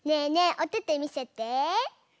おててみせて！